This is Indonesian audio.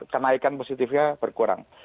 kenaikan positifnya berkurang